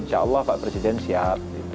insya allah pak presiden siap